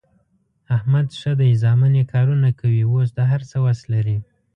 احمد ښه دی زامن یې کارونه کوي، اوس د هر څه وس لري.